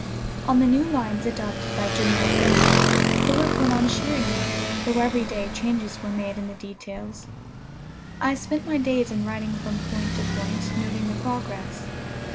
On the new lines adopted by General Grant, the work went on cheeringly, though every day changes were made in the details. I spent my days in riding from point to point, noting the progress.